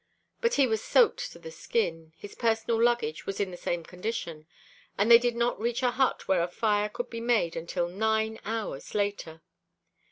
But he was soaked to the skin, his personal luggage was in the same condition, and they did not reach a hut where a fire could be made until nine hours later.